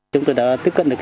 chúng tôi đã tiếp cận được